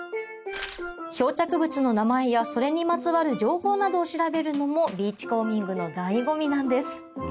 漂着物の名前やそれにまつわる情報などを調べるのもビーチコーミングの醍醐味なんです